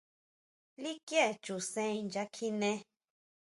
¿Likie Chuʼsén inchakjine?